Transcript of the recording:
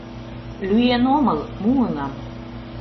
Лӱен омыл, муынам!